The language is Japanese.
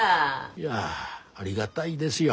いやありがだいですよ。